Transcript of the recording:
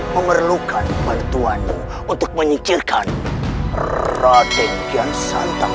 mengerlukan bantuanmu untuk menyejirkan raden kiansantak